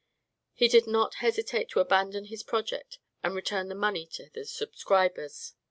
He did not hesitate to abandon his project and return the money to the subscribers.